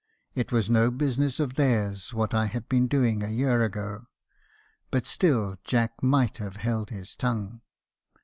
It was no busi ness of theirs what I had been doing a year ago ; but still Jack might have held his tongue.